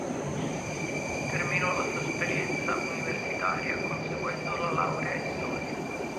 Terminò la sua esperienza universitaria conseguendo la laurea in storia.